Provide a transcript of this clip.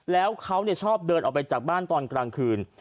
แล้วเขาชอบเดินออกไปจากบ้านตอนกลางคืน